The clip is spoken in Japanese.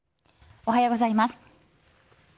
おはようございます。